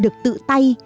được tự tay